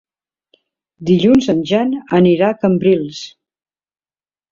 Dilluns en Jan anirà a Cambrils.